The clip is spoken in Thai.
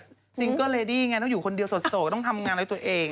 ซิงเกอร์เรดี้ไงต้องอยู่คนเดียวโสดต้องทำงานด้วยตัวเอง